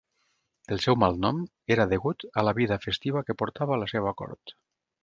El seu malnom era degut a la vida festiva que portava la seva cort.